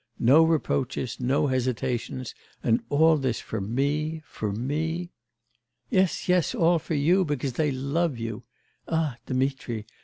No reproaches, no hesitations... and all this for me, for me ' 'Yes, yes, all for you, because they love you. Ah, Dmitri!